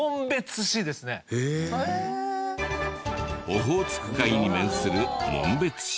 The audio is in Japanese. オホーツク海に面する紋別市。